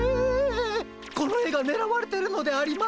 この絵がねらわれてるのでありますか？